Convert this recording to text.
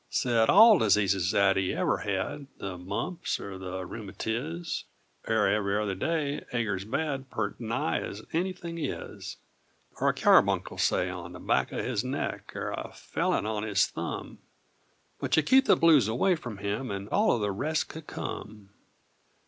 Said all diseases that ever he had The mumps, er the rheumatiz Er ever other day aigger's bad Purt' nigh as anything is! Er a cyarbuncle, say, on the back of his neck, Er a fellon on his thumb, But you keep the blues away frum him, And all o' the rest could come!